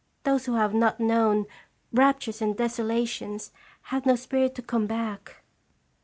Those who have not known * raptures and desolations/ have no spirit to come back."